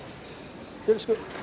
よろしく。